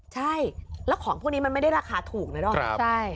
ใช่แล้วของพวกนี้มันไม่ได้ราคาถูกนะดอม